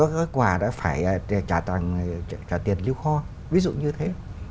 gói quà đã phải trả tiền lưu kho ví dụ như thế